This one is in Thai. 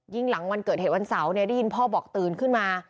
หลังวันเกิดเหตุวันเสาร์เนี่ยได้ยินพ่อบอกตื่นขึ้นมา